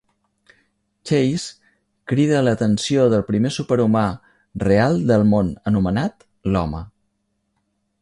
Chase crida l'atenció del primer superhumà real del món, anomenat "L'home".